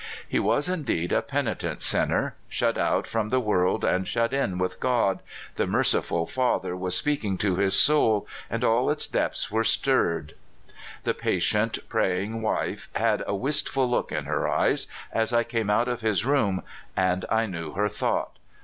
He was indeed a penitent sinner — shut out from the world and shut in with God, the merciful Fa ther was speaking to his soul, and all its depths were stirred. The patient, praying wife had a wistful look in her eyes as I came out of his room, and I knew her thought.